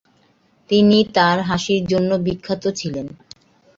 তিনি তার হাসির জন্য বিখ্যাত ছিলেন।